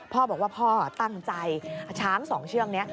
พ่อบอกว่าพ่อตั้งใจช้างสองเชือกนี้